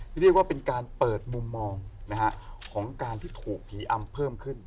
เรียกว่าเป็นการเปิดมุมมองของการที่ถูกผีอำเพิ่มขึ้น